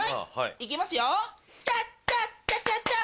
行きますよ。